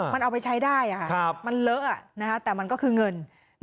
มันเอาไปใช้ได้มันเลอะแต่มันก็คือเงิน